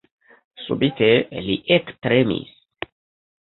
Subite li ektremis.